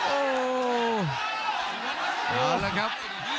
โอ้วเอาละครับ